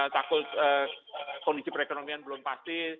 takut kondisi perekonomian belum pasti